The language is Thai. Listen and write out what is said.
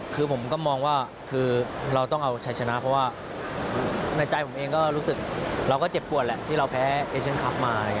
คือผมก็มองว่าคือเราต้องเอาชัยชนะเพราะว่าในใจผมเองก็รู้สึกเราก็เจ็บปวดแหละที่เราแพ้เอเชียนคลับมา